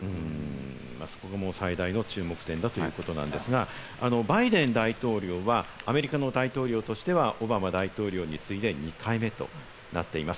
そこが最大の注目点だということですが、バイデン大統領はアメリカの大統領としてはオバマ大統領に続いて２回目となっています。